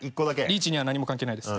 リーチには何も関係ないです。